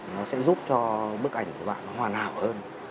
nó sẽ giúp cho bức ảnh của bạn nó hoàn hảo hơn